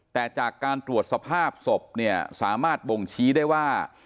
แต่จากการตรวจสภาพศพเนี่ยสามารถบ่งชี้ได้ว่า